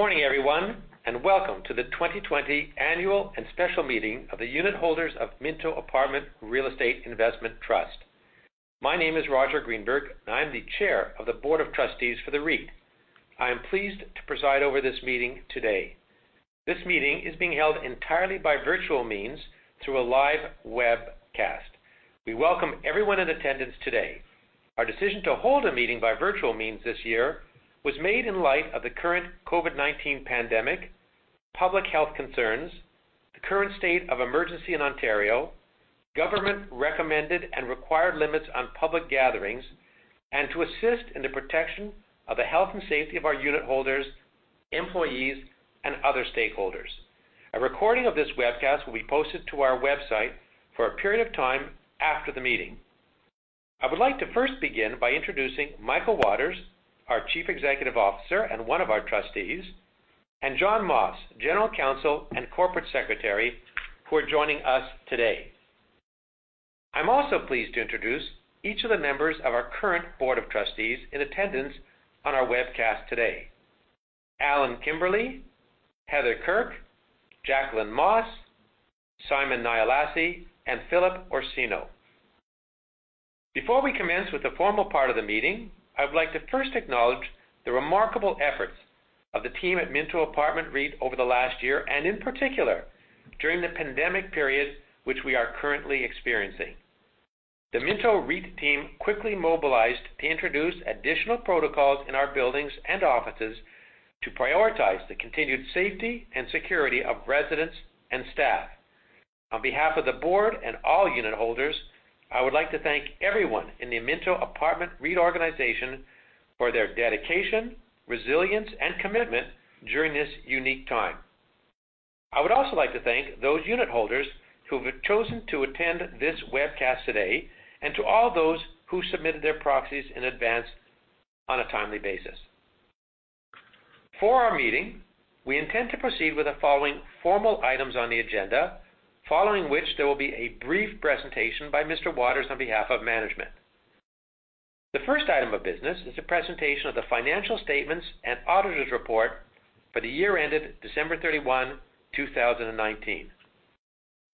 Good morning, everyone. Welcome to the 2020 annual and special meeting of the unitholders of Minto Apartment Real Estate Investment Trust. My name is Roger Greenberg. I'm the Chair of the Board of Trustees for the REIT. I am pleased to preside over this meeting today. This meeting is being held entirely by virtual means through a live webcast. We welcome everyone in attendance today. Our decision to hold a meeting by virtual means this year was made in light of the current COVID-19 pandemic, public health concerns, the current state of emergency in Ontario, government recommended and required limits on public gatherings, to assist in the protection of the health and safety of our unitholders, employees, and other stakeholders. A recording of this webcast will be posted to our website for a period of time after the meeting. I would like to first begin by introducing Michael Waters, our Chief Executive Officer and one of our trustees, and John Moss, General Counsel and Corporate Secretary, who are joining us today. I'm also pleased to introduce each of the members of our current board of trustees in attendance on our webcast today. Allan Kimberley, Heather Kirk, Jacqueline Moss, Simon Nyilassy, and Philip Orsino. Before we commence with the formal part of the meeting, I would like to first acknowledge the remarkable efforts of the team at Minto Apartment REIT over the last year and in particular, during the pandemic period which we are currently experiencing. The Minto REIT team quickly mobilized to introduce additional protocols in our buildings and offices to prioritize the continued safety and security of residents and staff. On behalf of the board and all unitholders, I would like to thank everyone in the Minto Apartment REIT organization for their dedication, resilience, and commitment during this unique time. I would also like to thank those unitholders who have chosen to attend this webcast today and to all those who submitted their proxies in advance on a timely basis. For our meeting, we intend to proceed with the following formal items on the agenda, following which there will be a brief presentation by Mr. Waters on behalf of management. The first item of business is a presentation of the financial statements and auditor's report for the year ended December 31, 2019.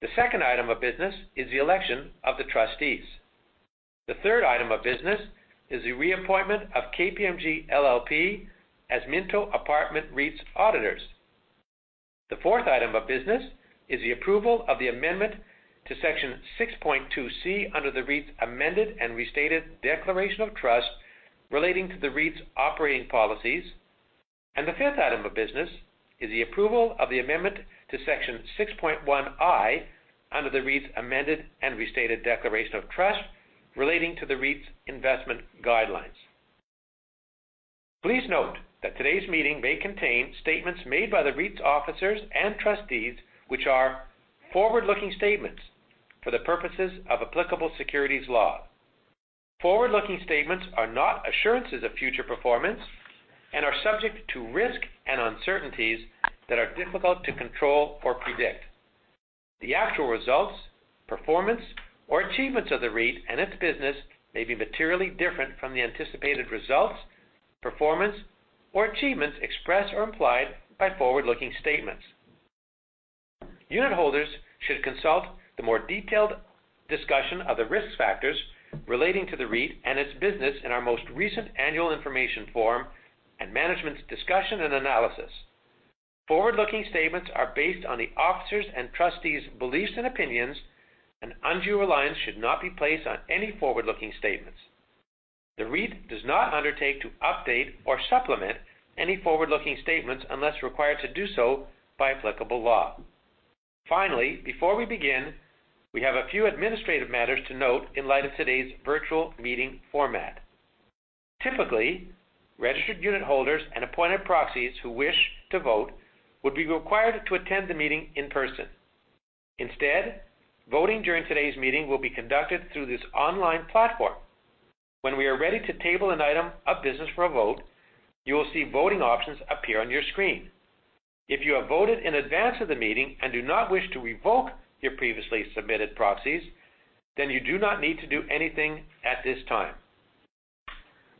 The second item of business is the election of the trustees. The third item of business is the reappointment of KPMG LLP as Minto Apartment REIT's auditors. The fourth item of business is the approval of the amendment to Section 6.2C under the REIT's amended and restated declaration of trust relating to the REIT's operating policies. The fifth item of business is the approval of the amendment to Section 6.1I under the REIT's amended and restated declaration of trust relating to the REIT's investment guidelines. Please note that today's meeting may contain statements made by the REIT's officers and trustees, which are forward-looking statements for the purposes of applicable securities law. Forward-looking statements are not assurances of future performance and are subject to risk and uncertainties that are difficult to control or predict. The actual results, performance, or achievements of the REIT and its business may be materially different from the anticipated results, performance, or achievements expressed or implied by forward-looking statements. Unitholders should consult the more detailed discussion of the risk factors relating to the REIT and its business in our most recent annual information form and management's discussion and analysis. Forward-looking statements are based on the officers' and trustees' beliefs and opinions, and undue reliance should not be placed on any forward-looking statements. The REIT does not undertake to update or supplement any forward-looking statements unless required to do so by applicable law. Before we begin, we have a few administrative matters to note in light of today's virtual meeting format. Typically, registered unitholders and appointed proxies who wish to vote would be required to attend the meeting in person. Voting during today's meeting will be conducted through this online platform. When we are ready to table an item of business for a vote, you will see voting options appear on your screen. If you have voted in advance of the meeting and do not wish to revoke your previously submitted proxies, you do not need to do anything at this time.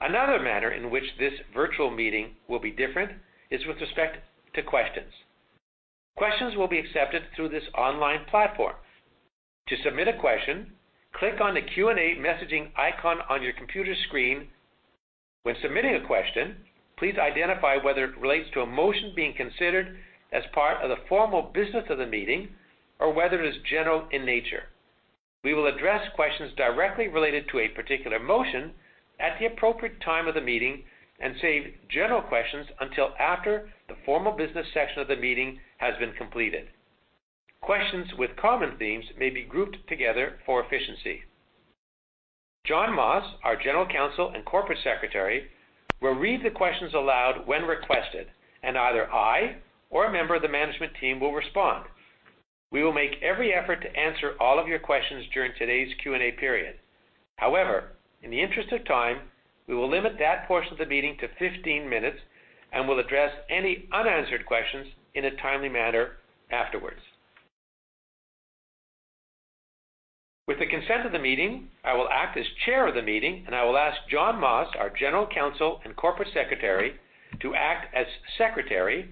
Another matter in which this virtual meeting will be different is with respect to questions. Questions will be accepted through this online platform. To submit a question, click on the Q&A messaging icon on your computer screen. When submitting a question, please identify whether it relates to a motion being considered as part of the formal business of the meeting or whether it is general in nature. We will address questions directly related to a particular motion at the appropriate time of the meeting and save general questions until after the formal business session of the meeting has been completed. Questions with common themes may be grouped together for efficiency. John Moss, our General Counsel and Corporate Secretary, will read the questions aloud when requested, and either I or a member of the management team will respond. We will make every effort to answer all of your questions during today's Q&A period. However, in the interest of time, we will limit that portion of the meeting to 15 minutes and will address any unanswered questions in a timely manner afterwards. With the consent of the meeting, I will act as chair of the meeting, and I will ask John Moss, our General Counsel and Corporate Secretary, to act as secretary,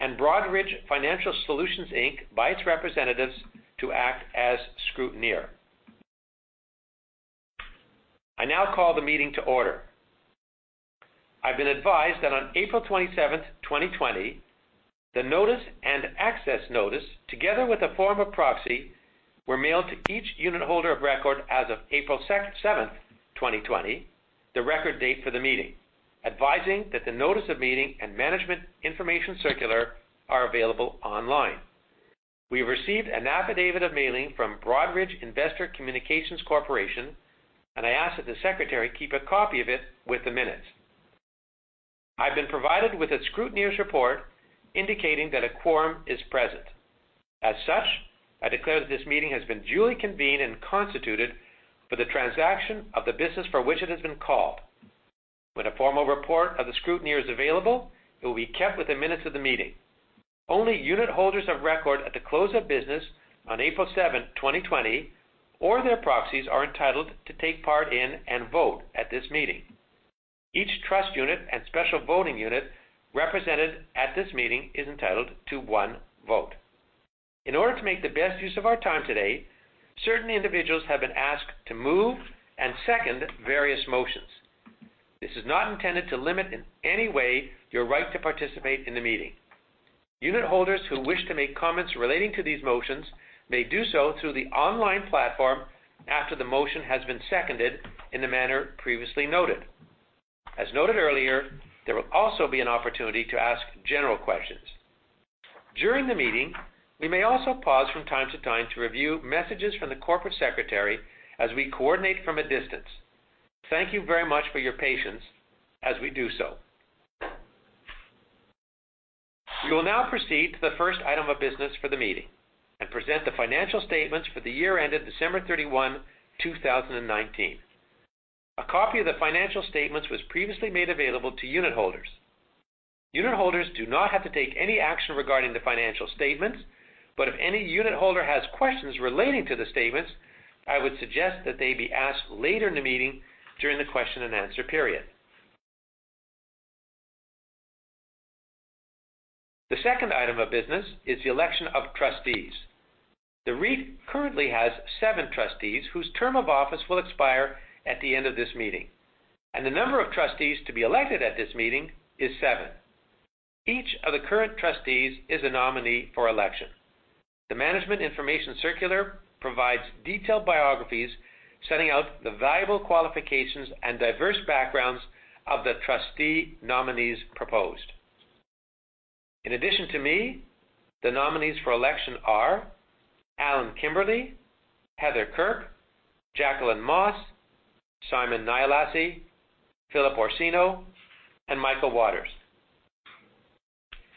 and Broadridge Financial Solutions, Inc., by its representatives, to act as scrutineer. I now call the meeting to order. I've been advised that on April 27, 2020, the notice-and-access notice, together with a form of proxy, were mailed to each unitholder of record as of April 7, 2020, the record date for the meeting, advising that the notice of meeting and management information circular are available online. We received an affidavit of mailing from Broadridge Investor Communications Corporation. I ask that the secretary keep a copy of it with the minutes. I've been provided with a scrutineer's report indicating that a quorum is present. As such, I declare that this meeting has been duly convened and constituted for the transaction of the business for which it has been called. When a formal report of the scrutineer is available, it will be kept with the minutes of the meeting. Only unitholders of record at the close of business on April 7th, 2020, or their proxies, are entitled to take part in and vote at this meeting. Each trust unit and special voting unit represented at this meeting is entitled to one vote. In order to make the best use of our time today, certain individuals have been asked to move and second various motions. This is not intended to limit in any way your right to participate in the meeting. Unitholders who wish to make comments relating to these motions may do so through the online platform after the motion has been seconded in the manner previously noted. As noted earlier, there will also be an opportunity to ask general questions. During the meeting, we may also pause from time to time to review messages from the corporate secretary as we coordinate from a distance. Thank you very much for your patience as we do so. We will now proceed to the first item of business for the meeting and present the financial statements for the year ended December 31st, 2019. A copy of the financial statements was previously made available to unitholders. Unitholders do not have to take any action regarding the financial statements, but if any unitholder has questions relating to the statements, I would suggest that they be asked later in the meeting during the question and answer period. The second item of business is the election of trustees. The REIT currently has seven trustees whose term of office will expire at the end of this meeting, and the number of trustees to be elected at this meeting is seven. Each of the current trustees is a nominee for election. The management information circular provides detailed biographies setting out the valuable qualifications and diverse backgrounds of the trustee nominees proposed. In addition to me, the nominees for election are Allan Kimberley, Heather Kirk, Jacqueline Moss, Simon Nyilassy, Philip Orsino, and Michael Waters.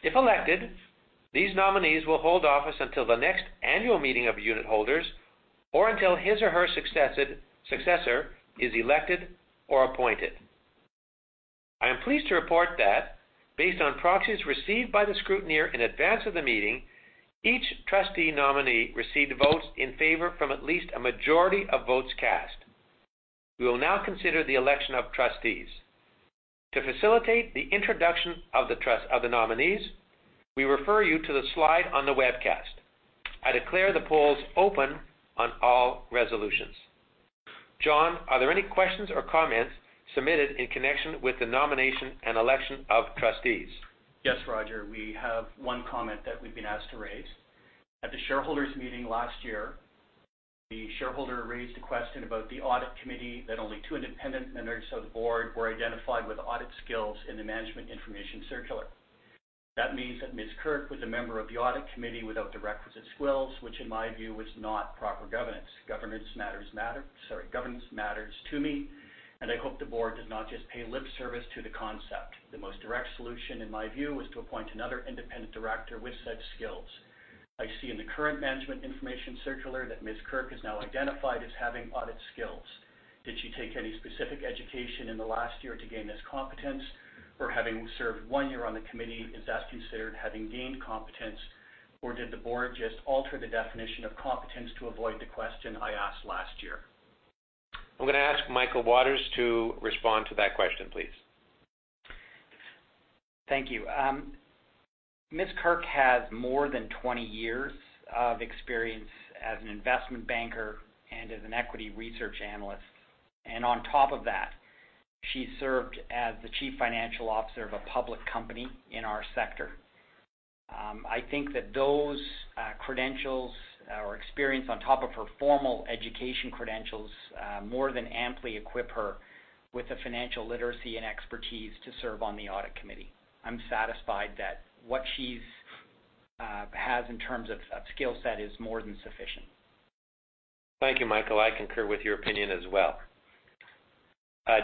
If elected, these nominees will hold office until the next annual meeting of unitholders or until his or her successor is elected or appointed. I am pleased to report that based on proxies received by the scrutineer in advance of the meeting, each trustee nominee received votes in favor from at least a majority of votes cast. We will now consider the election of trustees. To facilitate the introduction of the nominees, we refer you to the slide on the webcast. I declare the polls open on all resolutions. John, are there any questions or comments submitted in connection with the nomination and election of trustees? Yes, Roger, we have one comment that we've been asked to raise. At the shareholders' meeting last year, the shareholder raised a question about the audit committee, that only two independent members of the Board were identified with audit skills in the management information circular. That means that Ms. Kirk was a member of the audit committee without the requisite skills, which in my view was not proper governance. Governance matters to me. I hope the Board does not just pay lip service to the concept. The most direct solution, in my view, was to appoint another independent director with such skills. I see in the current management information circular that Ms. Kirk is now identified as having audit skills. Did she take any specific education in the last year to gain this competence, or having served one year on the committee, is that considered having gained competence, or did the board just alter the definition of competence to avoid the question I asked last year? I'm going to ask Michael Waters to respond to that question, please. Thank you. Ms. Kirk has more than 20 years of experience as an investment banker and as an equity research analyst, and on top of that, she served as the chief financial officer of a public company in our sector. I think that those credentials or experience on top of her formal education credentials more than amply equip her with the financial literacy and expertise to serve on the audit committee. I'm satisfied that what she has in terms of skill set is more than sufficient. Thank you, Michael. I concur with your opinion as well.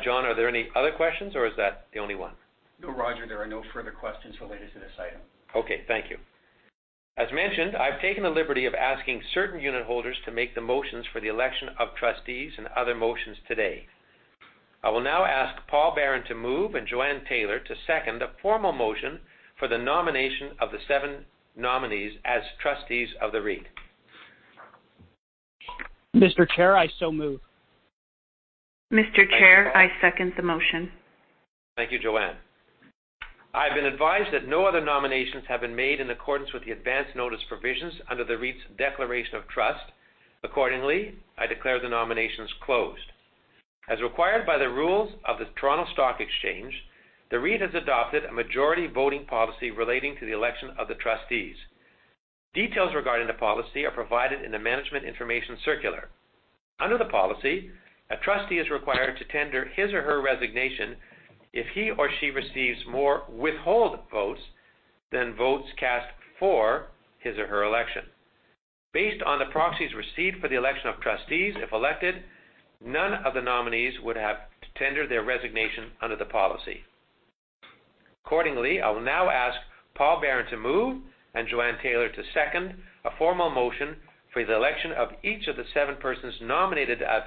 John, are there any other questions or is that the only one? No, Roger, there are no further questions related to this item. Okay, thank you. As mentioned, I've taken the liberty of asking certain unitholders to make the motions for the election of trustees and other motions today. I will now ask Paul Baron to move, and Jo-Ann Taylor to second the formal motion for the nomination of the seven nominees as trustees of the REIT. Mr. Chair, I so move. Mr. Chair, I second the motion. Thank you, Jo-Ann. I've been advised that no other nominations have been made in accordance with the advance notice provisions under the REIT's declaration of trust. Accordingly, I declare the nominations closed. As required by the rules of the Toronto Stock Exchange, the REIT has adopted a majority voting policy relating to the election of the trustees. Details regarding the policy are provided in the management information circular. Under the policy, a trustee is required to tender his or her resignation if he or she receives more withhold votes than votes cast for his or her election. Based on the proxies received for the election of trustees, if elected, none of the nominees would have to tender their resignation under the policy. Accordingly, I will now ask Paul Baron to move, and Jo-Ann Taylor to second a formal motion for the election of each of the seven persons nominated as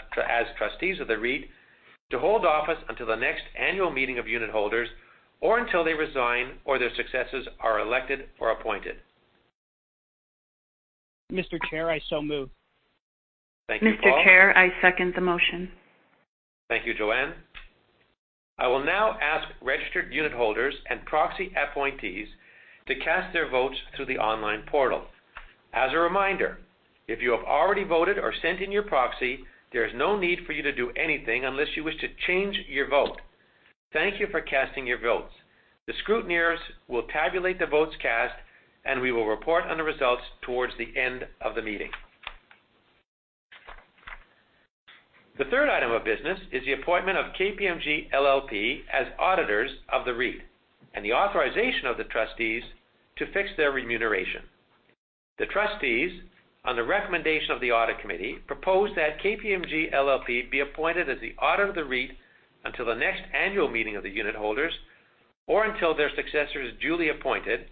trustees of the REIT to hold office until the next annual meeting of unitholders, or until they resign, or their successors are elected or appointed. Mr. Chair, I so move. Thank you, Paul. Mr. Chair, I second the motion. Thank you, Jo-Ann. I will now ask registered unit holders and proxy appointees to cast their votes through the online portal. As a reminder, if you have already voted or sent in your proxy, there is no need for you to do anything unless you wish to change your vote. Thank you for casting your votes. The scrutineers will tabulate the votes cast, and we will report on the results towards the end of the meeting. The third item of business is the appointment of KPMG LLP as auditors of the REIT, and the authorization of the trustees to fix their remuneration. The trustees, on the recommendation of the audit committee, propose that KPMG LLP be appointed as the auditor of the REIT until the next annual meeting of the unit holders, or until their successor is duly appointed,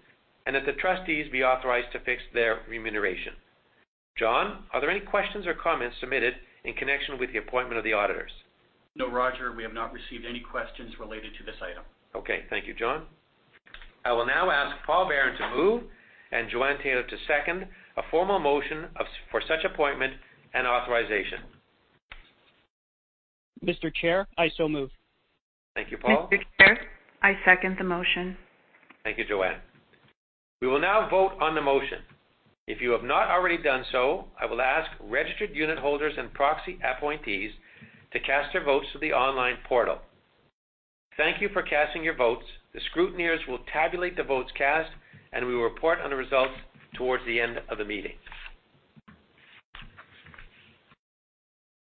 and that the trustees be authorized to fix their remuneration. John, are there any questions or comments submitted in connection with the appointment of the auditors? No, Roger. We have not received any questions related to this item. Okay. Thank you, John. I will now ask Paul Baron to move, and Jo-Ann Taylor to second a formal motion for such appointment and authorization. Mr. Chair, I so move. Thank you, Paul. Mr. Chair, I second the motion. Thank you, Jo-Ann. We will now vote on the motion. If you have not already done so, I will ask registered unitholders and proxy appointees to cast their votes through the online portal. Thank you for casting your votes. The scrutineers will tabulate the votes cast, and we will report on the results towards the end of the meeting.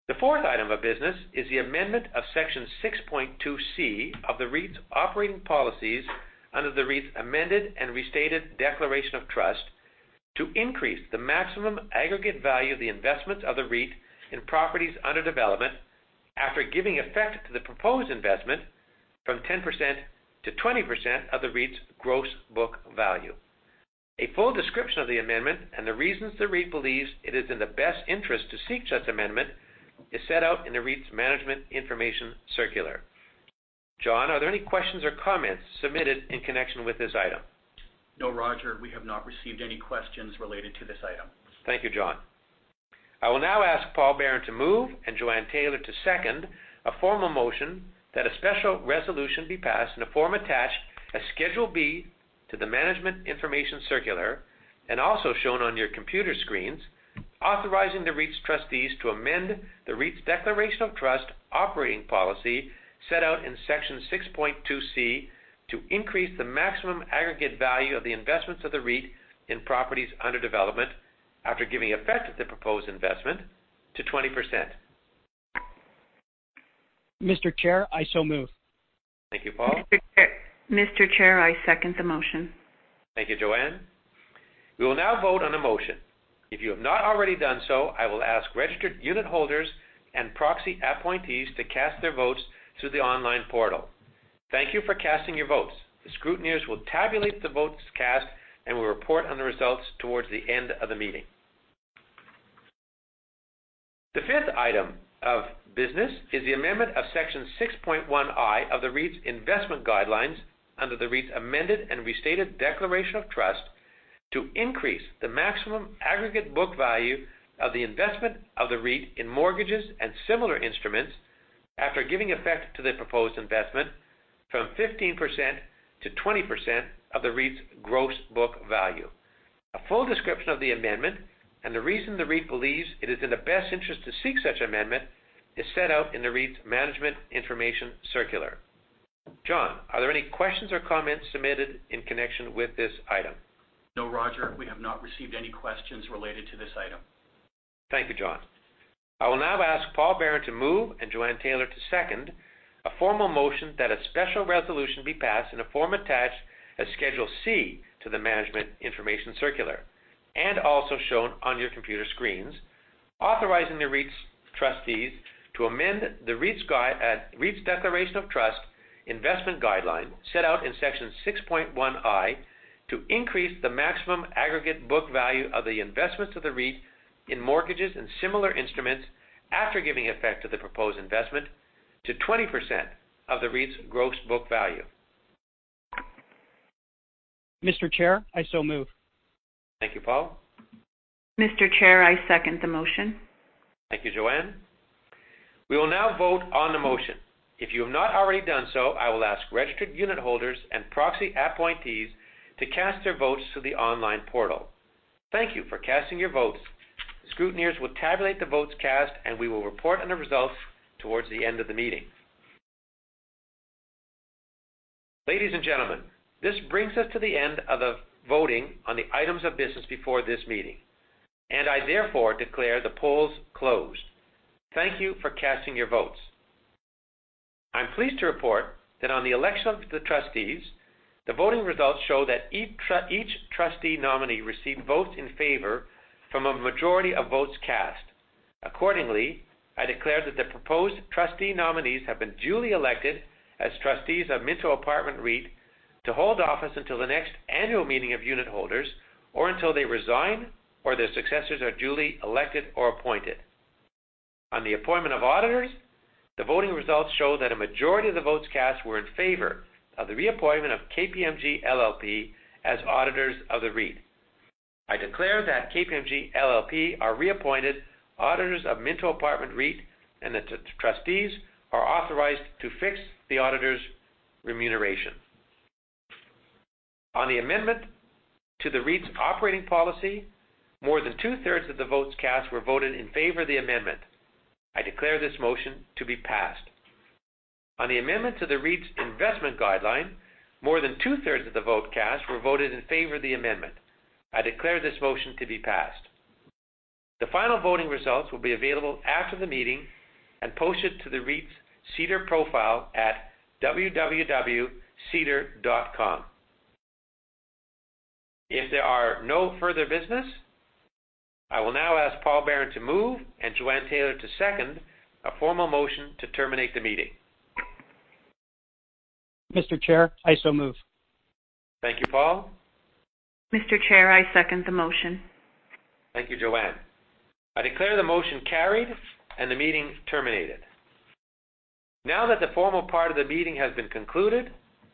The fourth item of business is the amendment of Section 6.2C of the REIT's operating policies under the REIT's amended and restated declaration of trust to increase the maximum aggregate value of the investments of the REIT in properties under development, after giving effect to the proposed investment from 10% to 20% of the REIT's gross book value. A full description of the amendment and the reasons the REIT believes it is in the best interest to seek such amendment is set out in the REIT's management information circular. John, are there any questions or comments submitted in connection with this item? No, Roger. We have not received any questions related to this item. Thank you, John. I will now ask Paul Baron to move, and Jo-Ann Taylor to second a formal motion that a special resolution be passed in a form attached as Schedule B to the management information circular, and also shown on your computer screens, authorizing the REIT's trustees to amend the REIT's declaration of trust operating policy set out in Section 6.2C to increase the maximum aggregate value of the investments of the REIT in properties under development, after giving effect to the proposed investment to 20%. Mr. Chair, I so move. Thank you, Paul. Mr. Chair, I second the motion. Thank you, Jo-Ann. We will now vote on the motion. If you have not already done so, I will ask registered unitholders and proxy appointees to cast their votes through the online portal. Thank you for casting your votes. The scrutineers will tabulate the votes cast, and we will report on the results towards the end of the meeting. The fifth item of business is the amendment of Section 6.1I of the REIT's investment guidelines under the REIT's amended and restated declaration of trust to increase the maximum aggregate book value of the investment of the REIT in mortgages and similar instruments, after giving effect to the proposed investment from 15%-20% of the REIT's gross book value. A full description of the amendment and the reason the REIT believes it is in the best interest to seek such amendment is set out in the REIT's management information circular. John, are there any questions or comments submitted in connection with this item? No, Roger. We have not received any questions related to this item. Thank you, John. I will now ask Paul Baron to move, and Jo-Ann Taylor to second a formal motion that a special resolution be passed in a form attached as Schedule C to the management information circular, and also shown on your computer screens, authorizing the REIT's trustees to amend the REIT's declaration of trust investment guideline set out in Section 6.1I to increase the maximum aggregate book value of the investments of the REIT in mortgages and similar instruments after giving effect to the proposed investment to 20% of the REIT's gross book value. Mr. Chair, I so move. Thank you, Paul. Mr. Chair, I second the motion. Thank you, Jo-Ann. We will now vote on the motion. If you have not already done so, I will ask registered unitholders and proxy appointees to cast their votes through the online portal. Thank you for casting your votes. Scrutineers will tabulate the votes cast, and we will report on the results towards the end of the meeting. Ladies and gentlemen, this brings us to the end of the voting on the items of business before this meeting, and I therefore declare the polls closed. Thank you for casting your votes. I'm pleased to report that on the election of the trustees, the voting results show that each trustee nominee received votes in favor from a majority of votes cast. Accordingly, I declare that the proposed trustee nominees have been duly elected as trustees of Minto Apartment REIT to hold office until the next annual meeting of unitholders or until they resign or their successors are duly elected or appointed. On the appointment of auditors, the voting results show that a majority of the votes cast were in favor of the reappointment of KPMG LLP as auditors of the REIT. I declare that KPMG LLP are reappointed auditors of Minto Apartment REIT and that the trustees are authorized to fix the auditors' remuneration. On the amendment to the REIT's operating policy, more than two-thirds of the votes cast were voted in favor of the amendment. I declare this motion to be passed. On the amendment to the REIT's investment guideline, more than two-thirds of the vote cast were voted in favor of the amendment. I declare this motion to be passed. The final voting results will be available after the meeting and posted to the REIT's SEDAR+ profile at www.sedar.com. If there are no further business, I will now ask Paul Baron to move and Jo-Ann Taylor to second a formal motion to terminate the meeting. Mr. Chair, I so move. Thank you, Paul. Mr. Chair, I second the motion. Thank you, Jo-Ann. I declare the motion carried and the meeting terminated. Now that the formal part of the meeting has been concluded,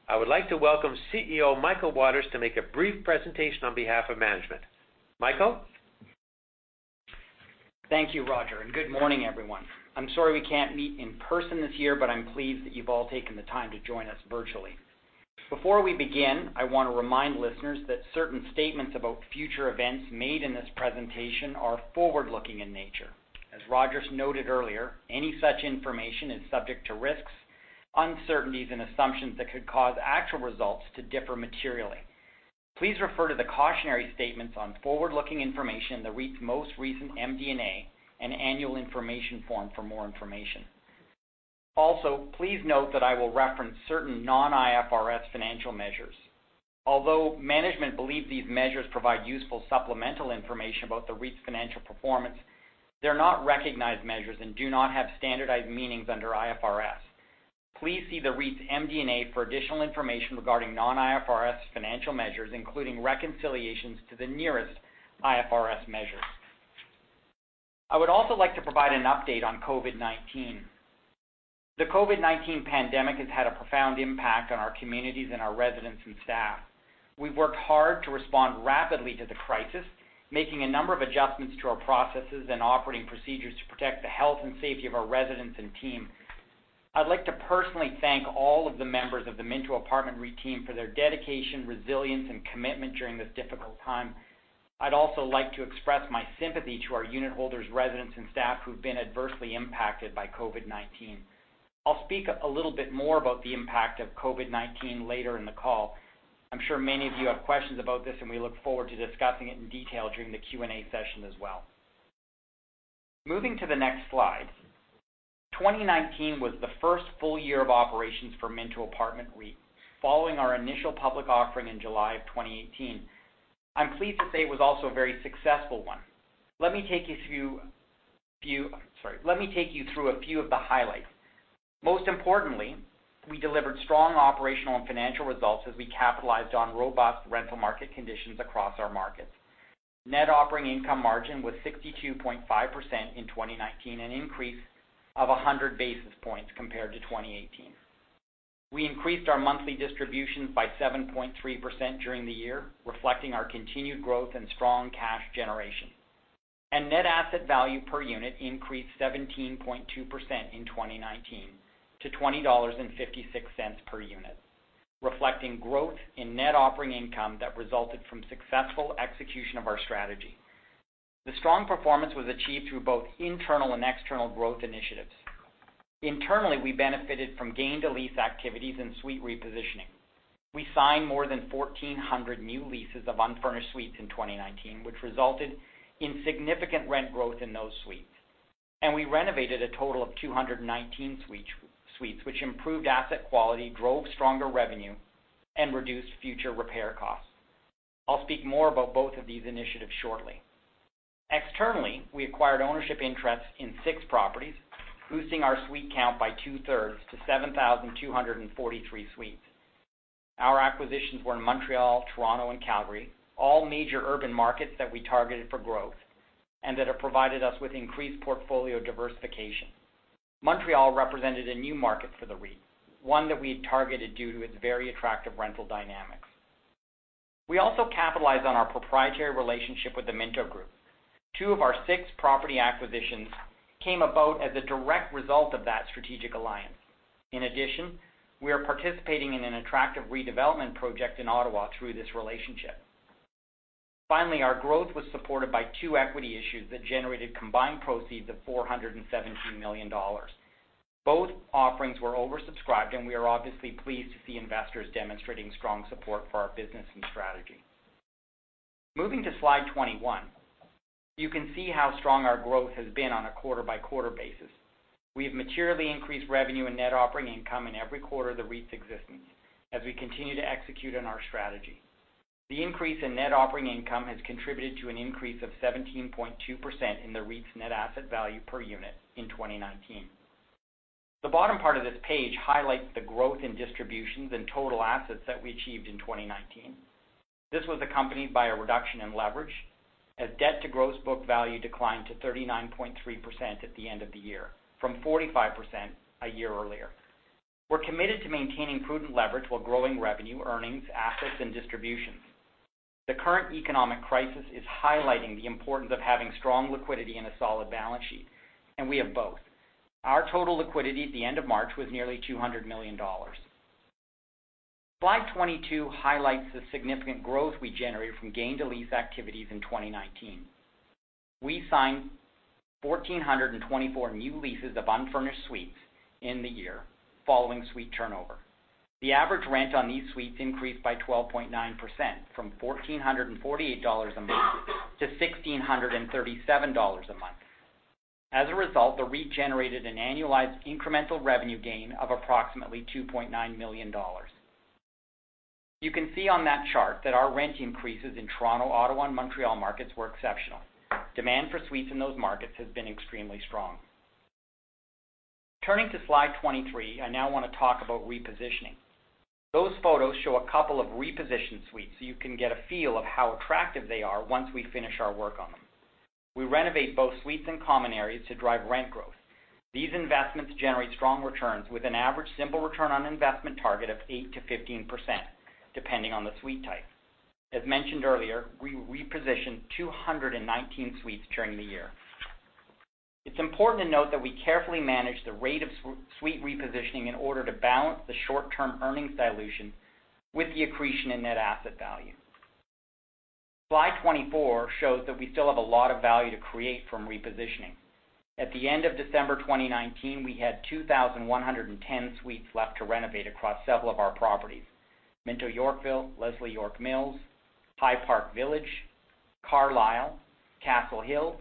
I would like to welcome CEO Michael Waters to make a brief presentation on behalf of management. Michael? Thank you, Roger. Good morning, everyone. I'm sorry we can't meet in person this year, but I'm pleased that you've all taken the time to join us virtually. Before we begin, I want to remind listeners that certain statements about future events made in this presentation are forward-looking in nature. As Roger's noted earlier, any such information is subject to risks, uncertainties, and assumptions that could cause actual results to differ materially. Please refer to the cautionary statements on forward-looking information in the REIT's most recent MD&A and annual information form for more information. Please note that I will reference certain non-IFRS financial measures. Although management believe these measures provide useful supplemental information about the REIT's financial performance, they're not recognized measures and do not have standardized meanings under IFRS. Please see the REIT's MD&A for additional information regarding non-IFRS financial measures, including reconciliations to the nearest IFRS measures. I would also like to provide an update on COVID-19. The COVID-19 pandemic has had a profound impact on our communities and our residents and staff. We've worked hard to respond rapidly to the crisis, making a number of adjustments to our processes and operating procedures to protect the health and safety of our residents and team. I'd like to personally thank all of the members of the Minto Apartment REIT team for their dedication, resilience, and commitment during this difficult time. I'd also like to express my sympathy to our unitholders, residents, and staff who've been adversely impacted by COVID-19. I'll speak a little bit more about the impact of COVID-19 later in the call. I'm sure many of you have questions about this, and we look forward to discussing it in detail during the Q&A session as well. Moving to the next slide. 2019 was the first full year of operations for Minto Apartment REIT, following our initial public offering in July of 2018. I'm pleased to say it was also a very successful one. Let me take you through a few of the highlights. Most importantly, we delivered strong operational and financial results as we capitalized on robust rental market conditions across our markets. Net operating income margin was 62.5% in 2019, an increase of 100 basis points compared to 2018. We increased our monthly distributions by 7.3% during the year, reflecting our continued growth and strong cash generation. Net asset value per unit increased 17.2% in 2019 to 20.56 dollars per unit, reflecting growth in net operating income that resulted from successful execution of our strategy. The strong performance was achieved through both internal and external growth initiatives. Internally, we benefited from gain-to-lease activities and suite repositioning. We signed more than 1,400 new leases of unfurnished suites in 2019, which resulted in significant rent growth in those suites. We renovated a total of 219 suites, which improved asset quality, drove stronger revenue, and reduced future repair costs. I'll speak more about both of these initiatives shortly. Externally, we acquired ownership interests in six properties, boosting our suite count by two-thirds to 7,243 suites. Our acquisitions were in Montreal, Toronto, and Calgary, all major urban markets that we targeted for growth and that have provided us with increased portfolio diversification. Montreal represented a new market for the REIT, one that we had targeted due to its very attractive rental dynamics. We also capitalized on our proprietary relationship with the Minto Group. Two of our six property acquisitions came about as a direct result of that strategic alliance. In addition, we are participating in an attractive redevelopment project in Ottawa through this relationship. Finally, our growth was supported by two equity issues that generated combined proceeds of 417 million dollars. Both offerings were oversubscribed. We are obviously pleased to see investors demonstrating strong support for our business and strategy. Moving to slide 21. You can see how strong our growth has been on a quarter-by-quarter basis. We have materially increased revenue and net operating income in every quarter of the REIT's existence as we continue to execute on our strategy. The increase in net operating income has contributed to an increase of 17.2% in the REIT's net asset value per unit in 2019. The bottom part of this page highlights the growth in distributions and total assets that we achieved in 2019. This was accompanied by a reduction in leverage as debt to gross book value declined to 39.3% at the end of the year, from 45% a year earlier. We're committed to maintaining prudent leverage while growing revenue, earnings, assets, and distributions. The current economic crisis is highlighting the importance of having strong liquidity and a solid balance sheet, and we have both. Our total liquidity at the end of March was nearly 200 million dollars. Slide 22 highlights the significant growth we generated from gain-to-lease activities in 2019. We signed 1,424 new leases of unfurnished suites in the year following suite turnover. The average rent on these suites increased by 12.9%, from 1,448 dollars a month to 1,637 dollars a month. As a result, the REIT generated an annualized incremental revenue gain of approximately 2.9 million dollars. You can see on that chart that our rent increases in Toronto, Ottawa, and Montreal markets were exceptional. Demand for suites in those markets has been extremely strong. Turning to slide 23, I now want to talk about repositioning. Those photos show a couple of repositioned suites, so you can get a feel of how attractive they are once we finish our work on them. We renovate both suites and common areas to drive rent growth. These investments generate strong returns with an average simple return on investment target of 8%-15%, depending on the suite type. As mentioned earlier, we repositioned 219 suites during the year. It's important to note that we carefully manage the rate of suite repositioning in order to balance the short-term earnings dilution with the accretion in net asset value. Slide 24 shows that we still have a lot of value to create from repositioning. At the end of December 2019, we had 2,110 suites left to renovate across several of our properties: Minto Yorkville, Leslie York Mills, High Park Village, Carlisle, Castle Hill,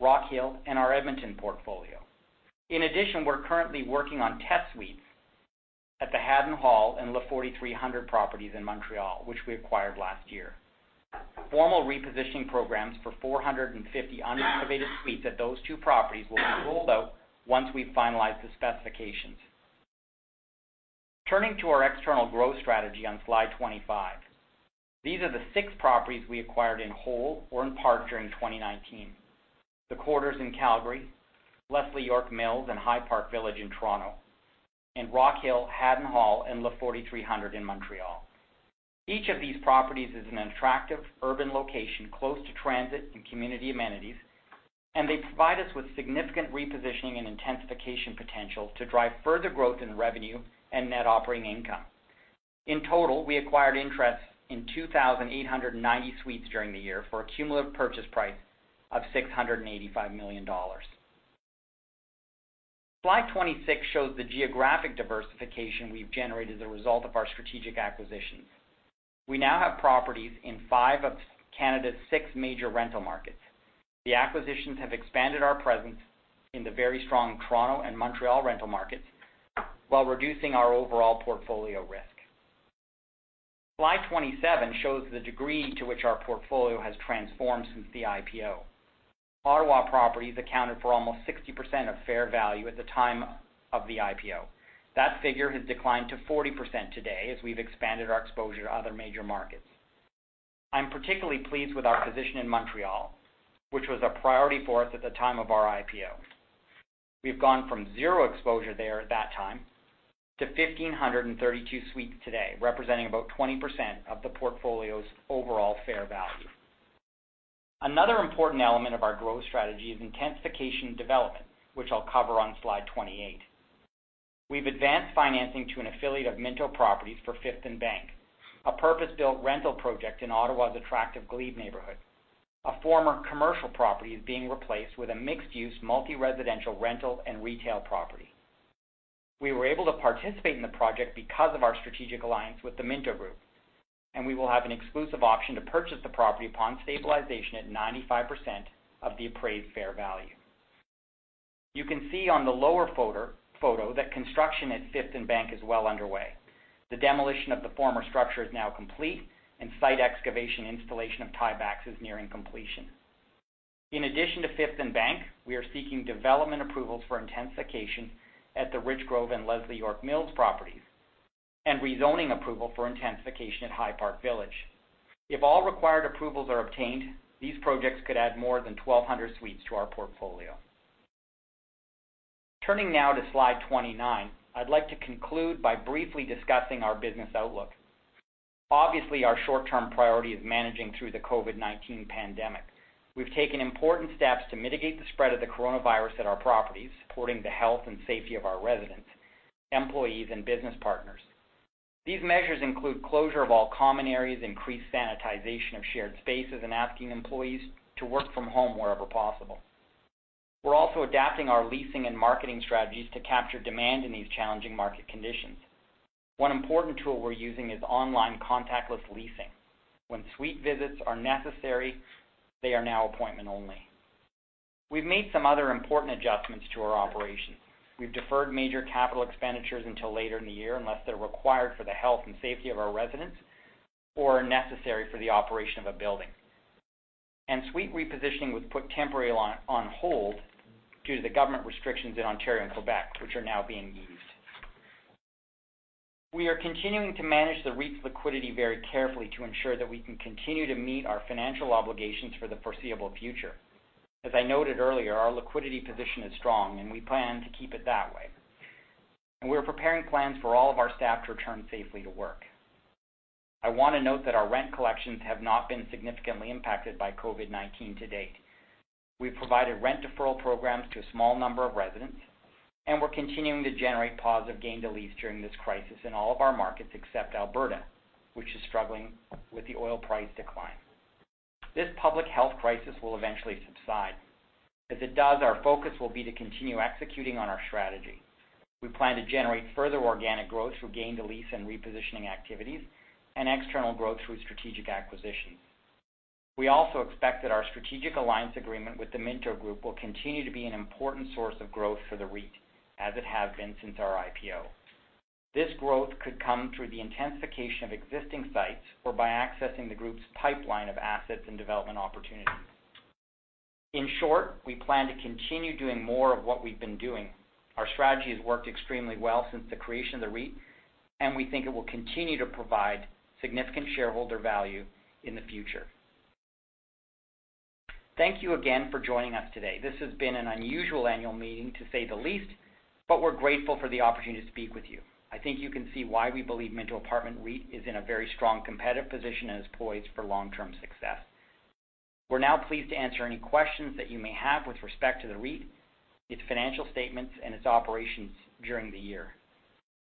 Rockhill, and our Edmonton portfolio. In addition, we're currently working on test suites at the Haddon Hall and Le 4300 properties in Montreal, which we acquired last year. Formal repositioning programs for 450 unrenovated suites at those two properties will be rolled out once we've finalized the specifications. Turning to our external growth strategy on Slide 25. These are the six properties we acquired in whole or in part during 2019. The Quarters in Calgary, Leslie York Mills and High Park Village in Toronto, and Rockhill, Haddon Hall, and Le 4300 in Montreal. Each of these properties is in an attractive urban location close to transit and community amenities, and they provide us with significant repositioning and intensification potential to drive further growth in revenue and net operating income. In total, we acquired interests in 2,890 suites during the year for a cumulative purchase price of 685 million dollars. Slide 26 shows the geographic diversification we've generated as a result of our strategic acquisitions. We now have properties in five of Canada's six major rental markets. The acquisitions have expanded our presence in the very strong Toronto and Montreal rental markets while reducing our overall portfolio risk. Slide 27 shows the degree to which our portfolio has transformed since the IPO. Ottawa properties accounted for almost 60% of fair value at the time of the IPO. That figure has declined to 40% today as we've expanded our exposure to other major markets. I'm particularly pleased with our position in Montreal, which was a priority for us at the time of our IPO. We've gone from zero exposure there at that time to 1,532 suites today, representing about 20% of the portfolio's overall fair value. Another important element of our growth strategy is intensification development, which I'll cover on Slide 28. We've advanced financing to an affiliate of Minto Properties for Fifth and Bank, a purpose-built rental project in Ottawa's attractive Glebe neighborhood. A former commercial property is being replaced with a mixed-use, multi-residential rental and retail property. We were able to participate in the project because of our strategic alliance with the Minto Group, and we will have an exclusive option to purchase the property upon stabilization at 95% of the appraised fair value. You can see on the lower photo that construction at Fifth and Bank is well underway. The demolition of the former structure is now complete, and site excavation installation of tiebacks is nearing completion. In addition to Fifth and Bank, we are seeking development approvals for intensification at the Richgrove and Leslie York Mills properties, and rezoning approval for intensification at High Park Village. If all required approvals are obtained, these projects could add more than 1,200 suites to our portfolio. Turning now to slide 29, I'd like to conclude by briefly discussing our business outlook. Obviously, our short-term priority is managing through the COVID-19 pandemic. We've taken important steps to mitigate the spread of the coronavirus at our properties, supporting the health and safety of our residents, employees, and business partners. These measures include closure of all common areas, increased sanitization of shared spaces, and asking employees to work from home wherever possible. We're also adapting our leasing and marketing strategies to capture demand in these challenging market conditions. One important tool we're using is online contactless leasing. When suite visits are necessary, they are now appointment only. We've made some other important adjustments to our operations. We've deferred major capital expenditures until later in the year, unless they're required for the health and safety of our residents, or necessary for the operation of a building. Suite repositioning was put temporarily on hold due to the government restrictions in Ontario and Quebec, which are now being eased. We are continuing to manage the REIT's liquidity very carefully to ensure that we can continue to meet our financial obligations for the foreseeable future. As I noted earlier, our liquidity position is strong, and we plan to keep it that way. We are preparing plans for all of our staff to return safely to work. I want to note that our rent collections have not been significantly impacted by COVID-19 to date. We've provided rent deferral programs to a small number of residents, and we're continuing to generate positive gain-to-lease during this crisis in all of our markets, except Alberta, which is struggling with the oil price decline. This public health crisis will eventually subside. As it does, our focus will be to continue executing on our strategy. We plan to generate further organic growth through gain-to-lease and repositioning activities, and external growth through strategic acquisitions. We also expect that our strategic alliance agreement with the Minto Group will continue to be an important source of growth for the REIT, as it has been since our IPO. This growth could come through the intensification of existing sites, or by accessing the group's pipeline of assets and development opportunities. In short, we plan to continue doing more of what we've been doing. Our strategy has worked extremely well since the creation of the REIT, and we think it will continue to provide significant shareholder value in the future. Thank you again for joining us today. This has been an unusual annual meeting, to say the least, but we're grateful for the opportunity to speak with you. I think you can see why we believe Minto Apartment REIT is in a very strong competitive position and is poised for long-term success. We're now pleased to answer any questions that you may have with respect to the REIT, its financial statements, and its operations during the year.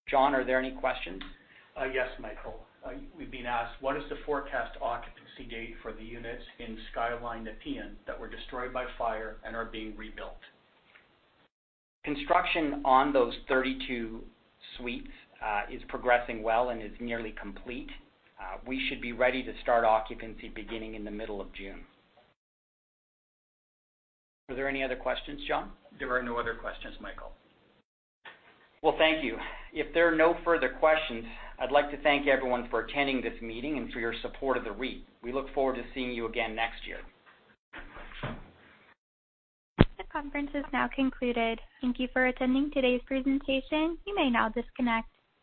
John, are there any questions? Yes, Michael. We've been asked, what is the forecast occupancy date for the units in Skyline Nepean that were destroyed by fire and are being rebuilt? Construction on those 32 suites is progressing well and is nearly complete. We should be ready to start occupancy beginning in the middle of June. Are there any other questions, John? There are no other questions, Michael. Well, thank you. If there are no further questions, I'd like to thank everyone for attending this meeting and for your support of the REIT. We look forward to seeing you again next year. This conference is now concluded. Thank you for attending today's presentation. You may now disconnect.